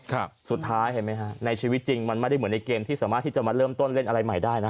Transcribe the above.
สุดท้ายเห็นไหมฮะในชีวิตจริงมันไม่ได้เหมือนในเกมที่สามารถที่จะมาเริ่มต้นเล่นอะไรใหม่ได้นะ